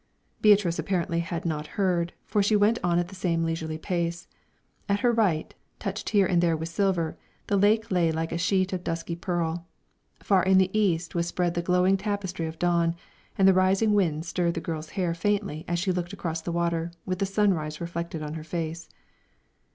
Beatrice apparently had not heard, for she went on at the same leisurely pace. At her right, touched here and there with silver, the lake lay like a sheet of dusky pearl. Far in the east was spread the glowing tapestry of dawn, and the rising wind stirred the girl's hair faintly as she looked across the water, with the sunrise reflected on her face.